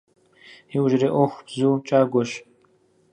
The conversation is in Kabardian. Иужьрей Iуэху бзу кIагуэщ.